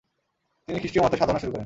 তিনি খ্রিস্টীয় মতে সাধনা শুরু করেন।